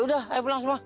yaudah ayo pulang semua